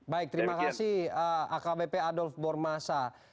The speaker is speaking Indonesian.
baik terima kasih akbp adolf bormasa